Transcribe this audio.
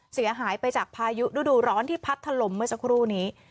เสียหายไปจากพายุฤดูร้อนที่พัดถล่มเมื่อสักครู่นี้